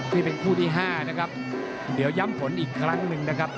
นี่เป็นคู่ที่๕นะครับเดี๋ยวย้ำผลอีกครั้งหนึ่งนะครับ